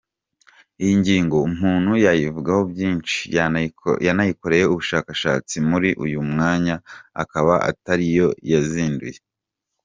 Iyi ngingo umuntu yayivugaho byinshi, yanayikoreye ubushakashatsi, muri uyu mwanya akaba atariyo yanzinduye.